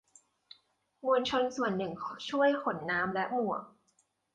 มวลชนส่วนหนึ่งช่วยขนน้ำและหมวก